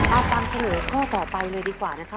เอาความเฉลยข้อต่อไปเลยดีกว่า